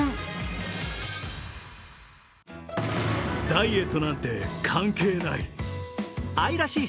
ダイエットなんて関係ない！